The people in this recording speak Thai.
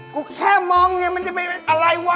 กูแค่มองเนี่ยมันจะเป็นอะไรวะ